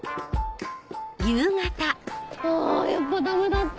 あやっぱダメだった！